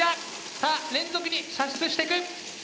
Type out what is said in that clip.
さあ連続に射出していく。